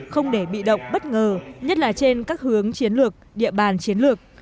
không để bị động bất ngờ nhất là trên các hướng chiến lược địa bàn chiến lược